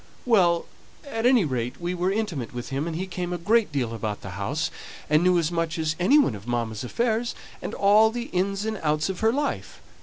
"Well! at any rate we were intimate with him, and he came a great deal about the house, and knew as much as any one of mamma's affairs, and all the ins and outs of her life.